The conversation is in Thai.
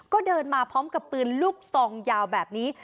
ก็เดินมาพร้อมกับปืนลูกซองยาวแบบนี้